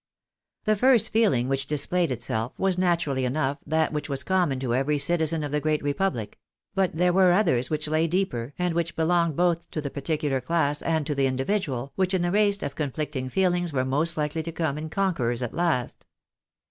The first feeling which displayed itself was naturally enough that which was common to every citizen of the great republic ; but there were others which lay deeper, and which belonged both to the particular class and to the individual,^ which in the race of conflict ing feelings were most likely to come in conquerors at last.